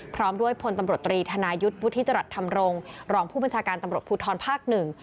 พร้อมด้วยพลตำรวจตรีธนายุทธ์วุฒิจรัสธรรมรงค์รองผู้บัญชาการตำรวจภูทรภาคหนึ่ง